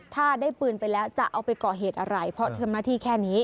ถ้าได้ปืนไปแล้วจะเอาไปก่อเหตุอะไรเพราะทำหน้าที่แค่นี้